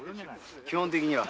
基本的には。